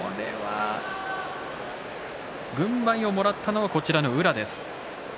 軍配をもらったのは宇良です。